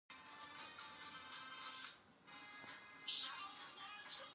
او سروکو ته راځو